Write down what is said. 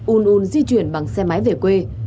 un un di chuyển bằng xe máy về quê